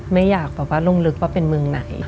ไม่อยากบอกว่าลุงลึกว่าเป็นเมืองไหน